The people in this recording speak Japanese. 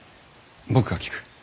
僕が聞く。